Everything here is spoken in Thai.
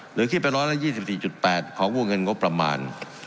หรือคิดไป๑๒๔๘ของวงเงินงบประมาณ